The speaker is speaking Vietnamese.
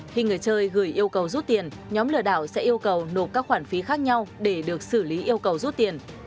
khi người chơi gửi yêu cầu rút tiền nhóm lừa đảo sẽ yêu cầu nộp các khoản phí khác nhau để được xử lý yêu cầu rút tiền